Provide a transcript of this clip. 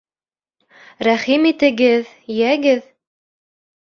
— Рәхим итегеҙ, йәгеҙ